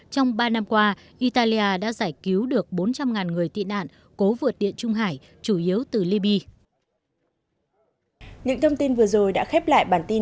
trong ba năm qua italia đã giải cứu được bốn trăm linh người tị nạn cố vượt địa trung hải chủ yếu từ liby